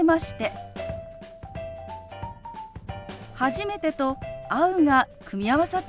「初めて」と「会う」が組み合わさった表現です。